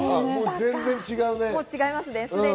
全然違うね。